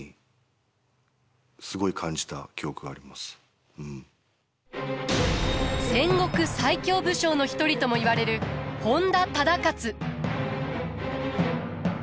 いや本当にね戦国最強武将の一人ともいわれる本多忠勝。